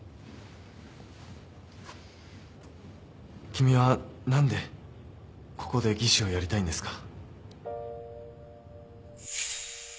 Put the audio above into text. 君は何でここで技師をやりたいんですか？